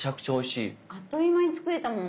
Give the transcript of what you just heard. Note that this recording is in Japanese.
あっという間に作れたもんね。